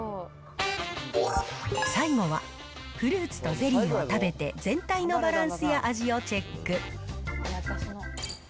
最後はフルーツとゼリーを食べて全体のバランスや味をチェック。